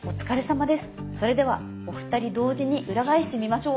それではお二人同時に裏返してみましょう。